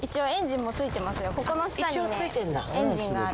ここの下にねエンジンがある。